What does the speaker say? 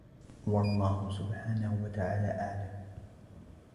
وَاَللَّهُ سُبْحَانَهُ وَتَعَالَى أَعْلَمُ